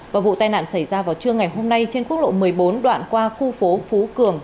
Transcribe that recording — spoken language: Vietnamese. và vụ tai nạn xảy ra vào trưa ngày hôm nay trên quốc lộ một mươi bốn đoạn qua khu phố phú cường